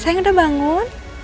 sayang udah bangun